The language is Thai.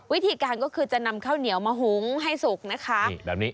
วิธีการก็คือจะนำข้าวเหนียวมาหุ้งให้สุกนะคะ